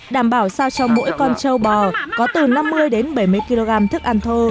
đảm bảo sao cho mỗi con châu bò có từ năm mươi bảy mươi kg thức ăn thô